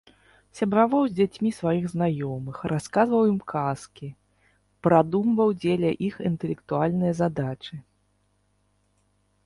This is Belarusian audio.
Сябраваў з дзяцьмі сваіх знаёмых, расказваў ім казкі, прадумваў дзеля іх інтэлектуальныя задачы.